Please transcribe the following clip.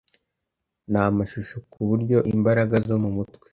n'amashusho ku buryo imbaraga zo mu mutwe